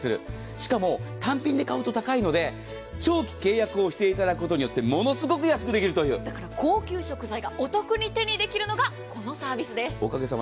しかも単品で買うと高いので長期契約をしていただくことによって高級食材がお得に手にできるのがこのサービスです。